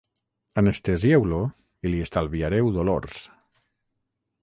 Anestesieu-lo i li estalviareu dolors.